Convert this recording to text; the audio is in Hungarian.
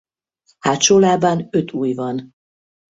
Hátsó lábán öt ujj van.